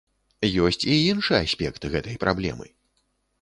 Есць і іншы аспект гэтай праблемы.